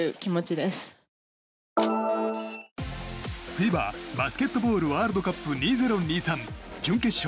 ＦＩＢＡバスケットボールワールドカップ２０２３準決勝